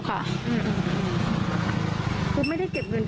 ความปลอดภัยของนายอภิรักษ์และครอบครัวด้วยซ้ำ